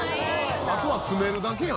あとは詰めるだけやん。